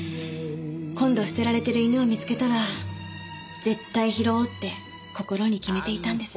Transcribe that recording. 今度捨てられてる犬を見つけたら絶対拾おうって心に決めていたんです。